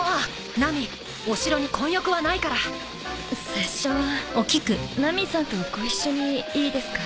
拙者はナミさんとご一緒にいいですか？